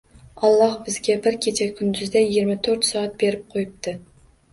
Alloh bizga bir kecha- kunduzda yigirma to'rt soat berib qo‘yibdi.